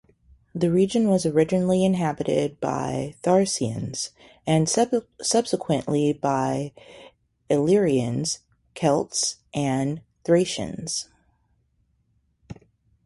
The region was originally inhabited by Thracians, and subsequently by Illyrians, Celts and Thracians.